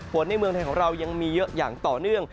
ในเมืองไทยของเรายังมีเยอะอย่างต่อเนื่อง